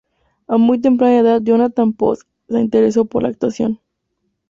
A muy temprana edad Jonathan Potts se interesó por la actuación.